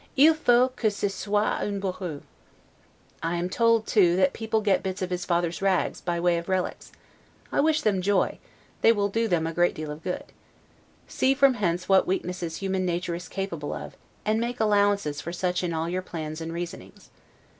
Il faut que ce soit un bourru'. I am told, too, that people get bits of his father's rags, by way of relies; I wish them joy, they will do them a great deal of good. See from hence what weaknesses human nature is capable of, and make allowances for such in all your plans and reasonings.